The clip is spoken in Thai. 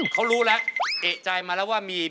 คุณอาทธรรม